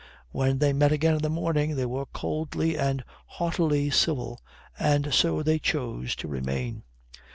When they met again in the morning they were coldly and haughtily civil, and so they chose to remain.